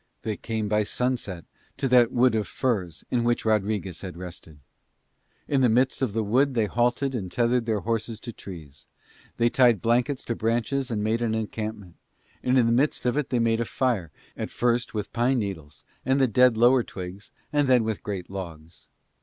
They came by sunset to that wood of firs in which Rodriguez had rested. In the midst of the wood they halted and tethered their horses to trees; they tied blankets to branches and made an encampment; and in the midst of it they made a fire, at first, with pine needles and the dead lower twigs and then with great logs.